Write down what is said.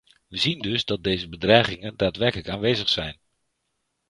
We zien dus dat deze bedreigingen daadwerkelijk aanwezig zijn.